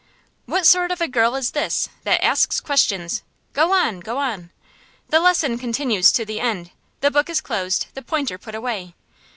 What sort of a girl is this, that asks questions? Go on, go on!" The lesson continues to the end. The book is closed, the pointer put away.